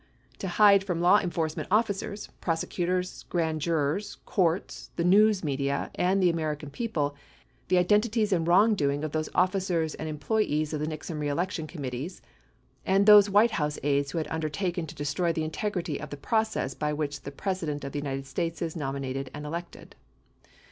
To hide from law enforcement officers, prosecutors, grand jurors, courts, the news media, and the American people the identities and wrongdoing of those officers and employees of the Nixon reelection committees, and those White House aides who had undertaken to destroy the integrity of the process by which the President of the United States is nominated and elected.